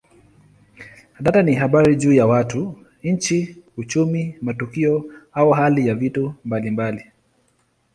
Data ni habari juu ya watu, nchi, uchumi, matukio au hali ya vitu mbalimbali.